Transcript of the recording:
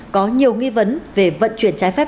có nhiều nghi vấn về vận chuyển trái phép